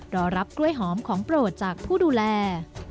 รอรับกล้วยหอมของโปรดจากผู้ดูแล